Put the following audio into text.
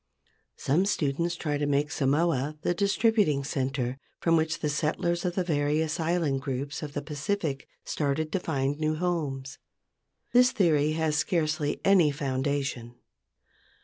Some students try to make Samoa the distributing centre from which the settlers of the various island groups of the Pacific started to find new homes. This theory has scarcely any foundation.